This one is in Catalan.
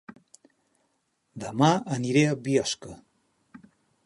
Dema aniré a Biosca